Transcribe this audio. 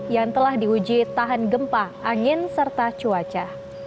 yang telah diuji tahan gempa angin serta cuaca